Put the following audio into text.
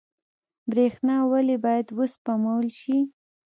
برښنا ولې باید وسپمول شي؟